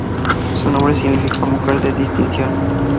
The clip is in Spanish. Su nombre significa "mujer de distinción".